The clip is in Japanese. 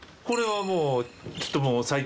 これはもう。